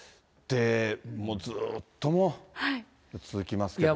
もうずっと、もう続きますからね。